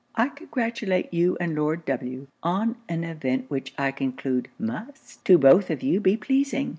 I congratulate you and Lord W. on an event which I conclude must to both of you be pleasing.